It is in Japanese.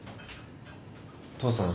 父さん。